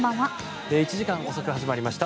１時間遅く始まりました。